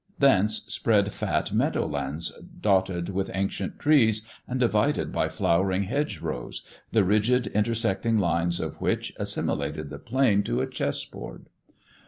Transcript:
Thence spread fat meadow lands dotted with ancient trees, and divided by flowering hedge rows, the rigid intersecting lines of which assimilated the plain to a chess board.